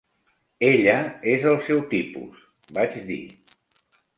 "Ella és el seu tipus", vaig dir.